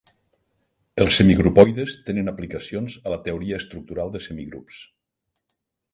Els semigrupoides tenen aplicacions a la teoria estructural de semigrups.